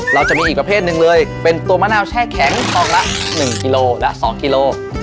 เราจะมีอีกประเภทหนึ่งเลยเป็นตัวมะนาวแช่แข็งทองละ๑กิโลและ๒กิโล